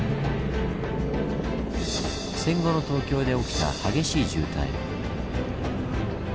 戦後の東京で起きた激しい渋滞。